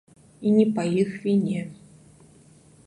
І не па іх віне.